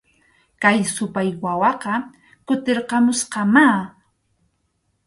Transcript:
Kay supay wawaqa kutirqamusqamá